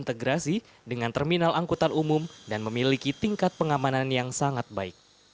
terintegrasi dengan terminal angkutan umum dan memiliki tingkat pengamanan yang sangat baik